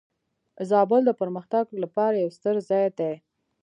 زابل د پرمختګ لپاره یو ستر ځای دی.